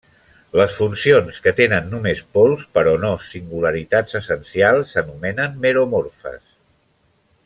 Les funcions que tenen només pols però no singularitats essencials s'anomenen meromorfes.